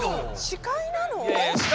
司会なの？